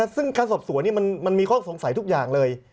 ซึ่งการสอบสวนมันมีข้อสงสัยทุกอย่างเลย